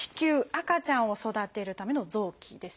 赤ちゃんを育てるための臓器ですよね。